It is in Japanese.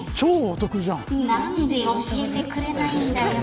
なんで教えてくれないんだよ。